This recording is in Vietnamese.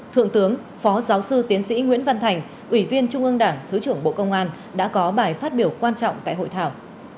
thượng tướng phó giáo sư tiến sĩ nguyễn văn thành ủy viên trung ương đảng thứ trưởng bộ công an đã có bài phát biểu quan trọng tại hội thảo